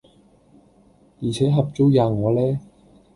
而且合夥喫我呢？